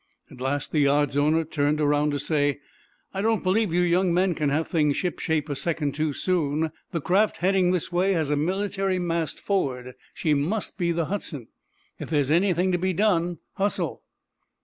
At last the yard's owner turned around to say: "I don't believe you young men can have things ship shape a second too soon. The craft heading this way has a military mast forward. She must be the 'Hudson.' If there's anything to be done, hustle!"